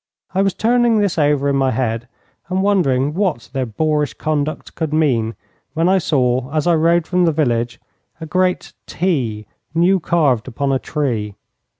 I was turning this over in my head and wondering what their boorish conduct could mean, when I saw, as I rode from the village, a great T new carved upon a tree.